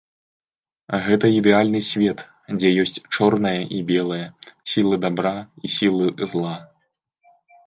Гэта ідэальны свет, дзе ёсць чорнае і белае, сілы дабра і сілы зла.